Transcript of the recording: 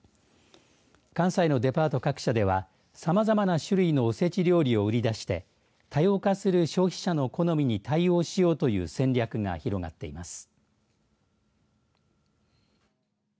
関西のデパート各社ではさまざまな種類のおせち料理を売り出して多様化する消費者の好みに対応しようという戦略が広がっています。